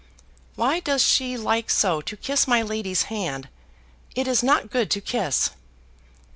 "Why does she like so to kiss my lady's hand. It is not good to kiss."